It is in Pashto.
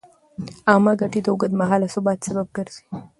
عامه ګټې د اوږدمهاله ثبات سبب ګرځي.